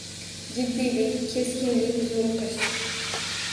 — Jiddiylik, keskinlik, zo’riqish.